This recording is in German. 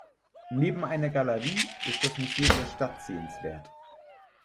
Neben einer Galerie ist das Museum der Stadt sehenswert.